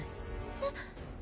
えっ？